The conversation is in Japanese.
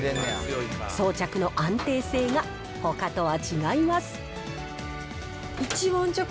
装着の安定性がほかとは違います。